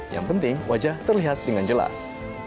yang penting wajah terlihat dengan jelas